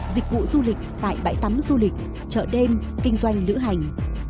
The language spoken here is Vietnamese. dịch vụ du lịch tại bãi tắm du lịch chợ đêm kinh doanh lữ hành